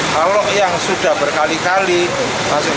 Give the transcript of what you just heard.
kalau yang sudah berkali kali masuk